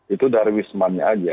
itu dari wisatamanya aja